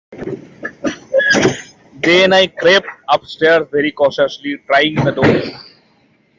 Then I crept upstairs very cautiously, trying the doors.